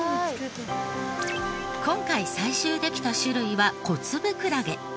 今回採集できた種類はコツブクラゲ。